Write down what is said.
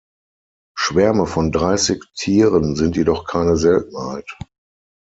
Schwärme von dreißig Tieren sind jedoch keine Seltenheit.